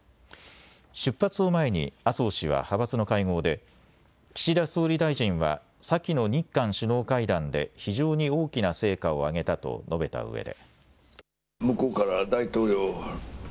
出発を前に麻生氏は派閥の会合で岸田総理大臣は先の日韓首脳会談で非常に大きな成果を上げたと述べたうえで。